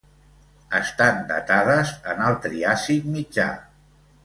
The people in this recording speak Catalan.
Estan datades en el Triàsic Mitjà.